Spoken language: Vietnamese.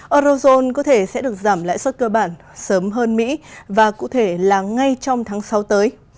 eurozone có thể sẽ được giảm lãi suất cơ bản sớm hơn mỹ và cụ thể là ngay trong tháng sáu tới